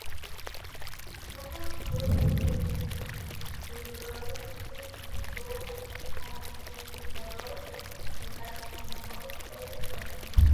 No consiguió vender ninguno, pero probablemente visitó a librepensadores locales como Robert Dale Owen.